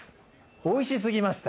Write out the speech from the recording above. おいしすぎました。